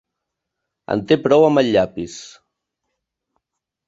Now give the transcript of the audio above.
En té prou amb el llapis.